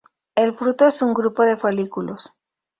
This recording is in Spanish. El fruto es un grupo de folículos.